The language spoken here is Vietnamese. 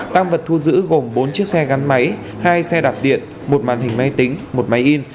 tăng vật thu giữ gồm bốn chiếc xe gắn máy hai xe đạp điện một màn hình máy tính một máy in